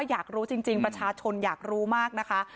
อยากรู้จริงประชาชนอยากรู้มากนะคะ